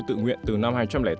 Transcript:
tự nguyện từ năm hai nghìn tám